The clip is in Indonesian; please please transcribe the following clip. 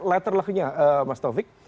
letter lahnya mas taufik